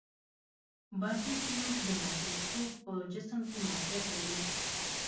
بادي ټیوب د مایکروسکوپ په جسم کې موقعیت لري.